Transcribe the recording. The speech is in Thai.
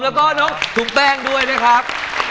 แล้วก็น้องถุงแป้งด้วยนะครับ